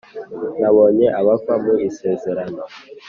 Nabonye abava mu isezerano .